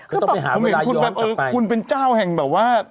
คือต้องไปหาเวลาย้อนกลับไปคือคุณคือคุณเป็นเจ้าแห่งแบบว่า